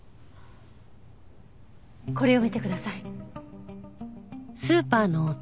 これを見てください。